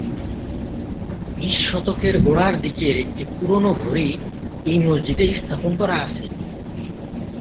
বিশ শতকের গোড়ার দিকের একটি পুরানো ঘড়ি এই মসজিদে স্থাপন করা আছে।